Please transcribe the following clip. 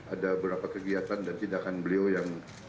ada beberapa kegiatan dan tindakan beliau yang